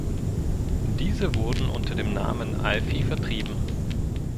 Diese wurden unter dem Namen Alfi vertrieben.